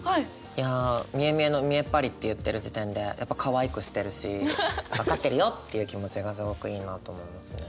いや「みえみえのみえっぱり」って言ってる時点でやっぱかわいくしてるし分かってるよっていう気持ちがすごくいいなと思いますね。